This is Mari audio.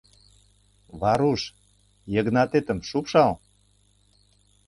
Варуш, Йыгнатетым шупшал!